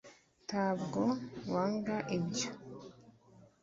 tabwo wanga ibyo?